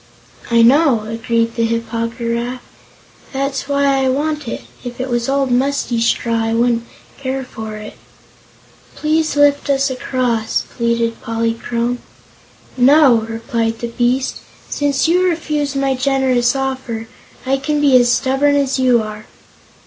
"I know," agreed the Hip po gy raf. "That's why I want it. If it was old, musty straw, I wouldn't care for it." "Please lift us across," pleaded Polychrome. "No," replied the beast; "since you refuse my generous offer, I can be as stubborn as you are."